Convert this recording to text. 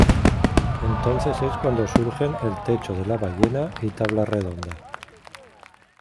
Entonces es cuando surgen El Techo de la Ballena y Tabla Redonda.